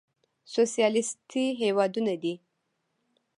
سوسيالېسټي هېوادونه دي.